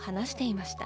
いました。